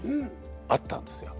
あったんですよ。